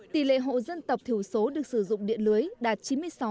tỷ lệ hộ dân tộc thiểu số được sử dụng điện lưới đạt chín mươi sáu